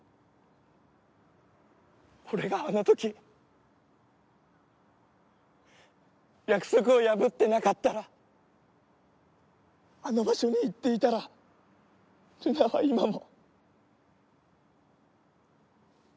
俺があの時約束を破ってなかったらあの場所に行っていたらルナは今も。